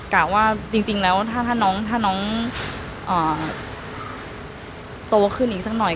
กะว่าจริงแล้วถ้าน้องโตขึ้นอีกสักหน่อย